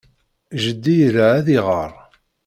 Jeddi ira ad iɣer.